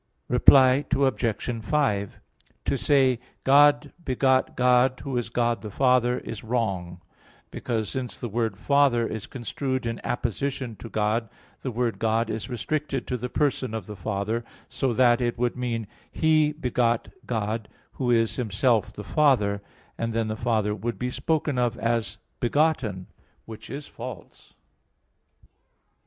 Reply Obj. 5: To say, "God begot God Who is God the Father," is wrong, because since the word "Father" is construed in apposition to "God," the word "God" is restricted to the person of the Father; so that it would mean, "He begot God, Who is Himself the Father"; and then the Father would be spoken of as begotten, which is false.